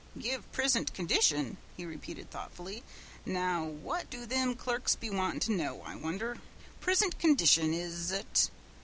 "Give prisint condition," he repeated thoughtfully. "Now what do thim clerks be wantin' to know, I wonder! 'Prisint condition, 'is ut?